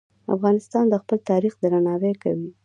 افغانستان د خپل تاریخ درناوی کوي.